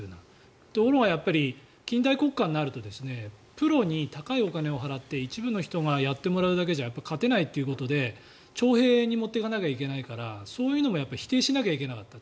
ところが近代国家になるとプロに高いお金を払って一部の人がやってもらうだけじゃ勝てないということで徴兵に持っていかないといけないからそういうのも否定しなきゃいけなかった。